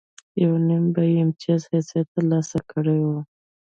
یو نیم به یې امتیازي حیثیت ترلاسه کړی و.